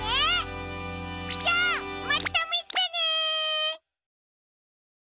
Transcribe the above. じゃあまたみてね！